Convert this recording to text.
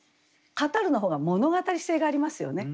「語る」の方が物語性がありますよね。